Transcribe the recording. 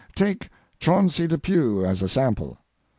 Take Chauncey Depew as a sample.